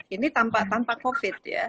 ini tanpa covid